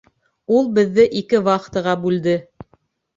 Ул беҙҙе ике вахтаға бүлде.